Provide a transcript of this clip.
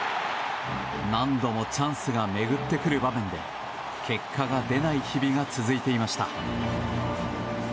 何度もチャンスが巡ってくる場面で結果が出ない日々が続いていました。